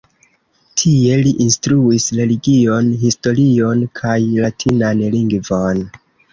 Tie li instruis religion, historion kaj latinan lingvon.